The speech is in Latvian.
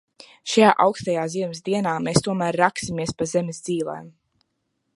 Šajā aukstajā ziemas dienā mēs tomēr raksimies pa zemes dzīlēm.